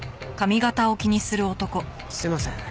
すいません